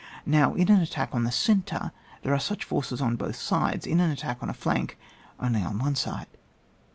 Now, in an attack on the centre, there are such forces on both sides ; in an at tack on a flank, only on one side.